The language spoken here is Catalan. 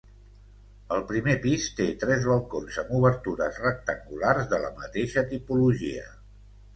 El primer pis té tres balcons amb obertures rectangulars de la mateixa tipologia.